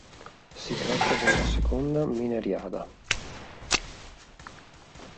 Si tratta della seconda mineriada.